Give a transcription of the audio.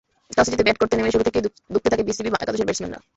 টসে জিতে ব্যাট করতে নেমে শুরু থেকেই ধুঁকতে থাকে বিসিবি একাদশের ব্যাটসম্যানরা।